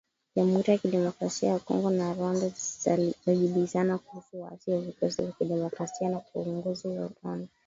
Jamhuri ya Kidemokrasia ya Kongo na Rwanda zajibizana kuhusu waasi wa Vikosi vya Kidemokrasia vya Ukombozi wa Rwanda